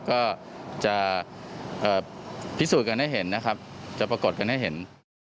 ก็จะพิสูจน์กันให้เห็นนะครับจะปรากฏกันให้เห็น